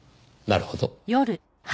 なるほど。